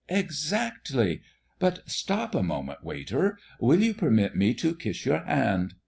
"Exactly. But stop a moment, waiter; will you permit me to kiss your hand?"